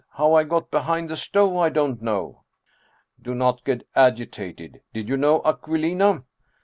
How I got behind the stove I don't know "" Do not get agitated. Did you know Aquilina